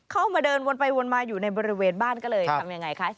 เข้ามาเดินวนไปวนมาอยู่ในบริเวณบ้านก็เลยทำยังไงคะ